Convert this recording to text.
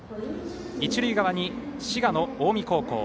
一塁側に滋賀の近江高校。